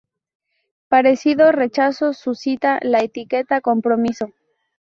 Parecido rechazo suscita la etiqueta "compromiso".